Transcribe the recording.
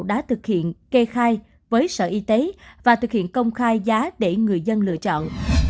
đã thực hiện kê khai với sở y tế và thực hiện công khai giá để người dân lựa chọn